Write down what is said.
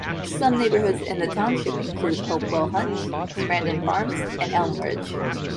Some neighborhoods in the township include Hopewell Hunt, Brandon Farms and Elm Ridge.